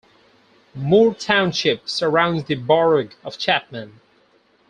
Moore Township surrounds the borough of Chapman.